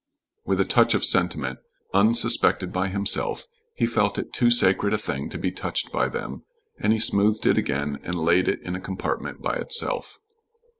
With a touch of sentiment unsuspected by himself, he felt it too sacred a thing to be touched by them, and he smoothed it again and laid it in a compartment by itself.